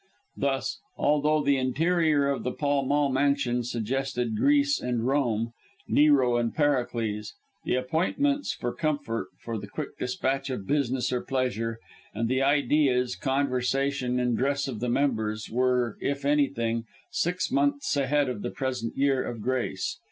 Thus, although the interior of the Pall Mall mansion suggested Greece and Rome, Nero and Pericles, the appointments for comfort, for the quick dispatch of business or pleasure, and the ideas, conversation, and dress of the members, were, if anything, six months ahead of the present year of grace.